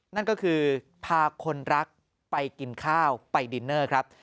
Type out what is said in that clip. นั่นก็คือพาคนรักไปกินข้าวไปดินเนอร์ครับ